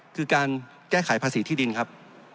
คือการแก้ไขภาษีที่ดินครับ